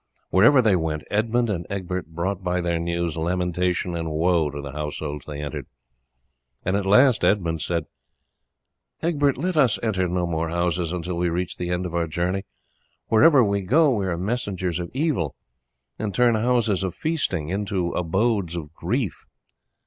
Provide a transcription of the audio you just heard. Wherever they went Edmund and Egbert brought by their news lamentation and woe to the households they entered, and at last Edmund said: "Egbert, let us enter no more houses until we reach the end of our journey; wherever we go we are messengers of evil, and turn houses of feasting into abodes of grief.